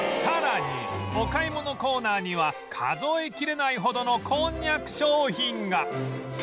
さらにお買い物コーナーには数えきれないほどのこんにゃく商品が